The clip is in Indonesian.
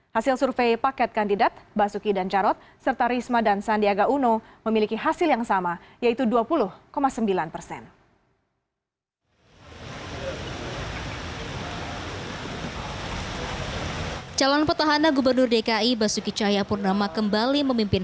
hasil survei paket kandidat basuki dan jarod serta risma dan sandiaga uno memiliki hasil yang sama yaitu dua puluh sembilan persen